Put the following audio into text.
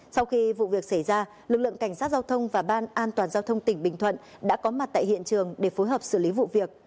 sau khi vụ việc xảy ra lực lượng cảnh sát giao thông và ban an toàn giao thông tỉnh bình thuận đã có mặt tại hiện trường để phối hợp xử lý vụ việc